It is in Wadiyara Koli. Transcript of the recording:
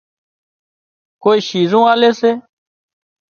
ڪوئي شِيزُون آلي سي